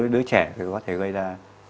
đứa trẻ có thể gây ra